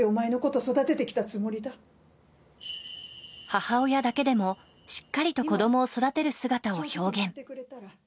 母親だけでも、しっかりと子供を育てる姿を表現。